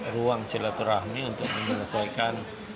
ruang silaturahmi untuk menyesuaikan